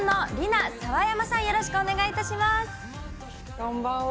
こんばんは。